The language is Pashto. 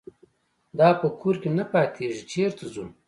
دا په کور کې نه پاتېږي چېرته ځو.